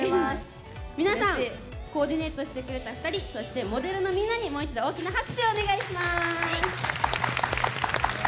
皆さんコーディネートしてくれた２人そしてモデルのみんなにもう一度大きな拍手をお願いします。